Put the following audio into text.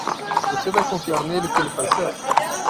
Você vai confiar nele que ele faz certo?